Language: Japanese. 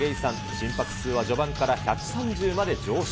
心拍数は序盤から１３０まで上昇。